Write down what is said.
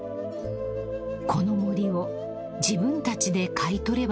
［この森を自分たちで買い取ればいい］